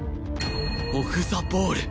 オフ・ザ・ボール